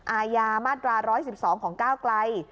อาญามาตรา๑๑๒ของก้าวไกล